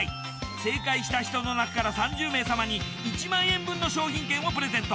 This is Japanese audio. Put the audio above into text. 正解した人のなかから３０名様に１万円分の商品券をプレゼント。